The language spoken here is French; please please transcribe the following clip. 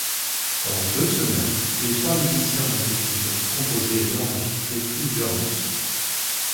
Pendant deux semaines, les trois musiciens vont écrire, composer et enregistrer plusieurs morceaux.